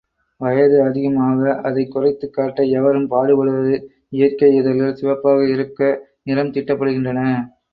வயது அதிகம் ஆக அதைக் குறைத்துக் காட்ட எவரும் பாடுபடுவது இயற்கை இதழ்கள் சிவப்பாக இருக்க நிறம் தீட்டப்படுகின்றன.